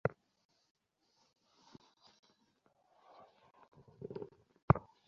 বিশ্বপ্রকৃতি যে-কোন মুহূর্তে আমাদিগকে চূর্ণ করিয়া আমাদের সত্তার বিলোপ ঘটাইতে পারে।